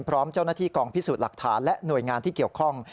พร้อมเจ้าหน้าที่กองพิสูจน์หลักฐานและหน่วยงานที่เกี่ยวข้อง